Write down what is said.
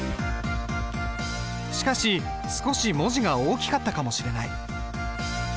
しかし少し文字が大きかったかもしれない。